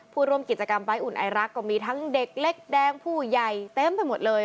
ผู้ร่วมกิจกรรมใบ้อุ่นไอรักก็มีทั้งเด็กเล็กแดงผู้ใหญ่เต็มไปหมดเลย